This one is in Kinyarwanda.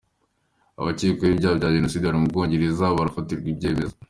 Abakekwaho ibyaha bya Jenoside bari mu Bwongereza barafatirwa ibyemezo